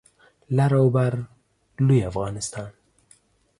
لر او بر لوی افغانستان